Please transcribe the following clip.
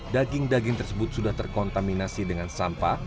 daging daging tersebut sudah terkontaminasi dengan sampah